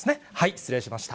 失礼しました。